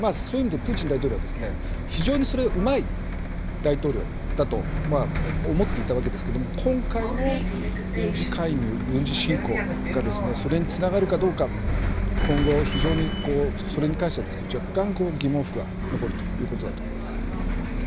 そういう意味でプーチン大統領は非常にそれがうまい大統領だと思っていたわけですけども今回の軍事介入、軍事侵攻がそれにつながるかどうか今後、非常にそれに関しては若干、疑問符が残るということだと思います。